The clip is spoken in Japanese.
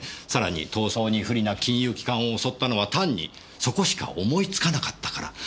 さらに逃走に不利な金融機関を襲ったのは単にそこしか思いつかなかったから。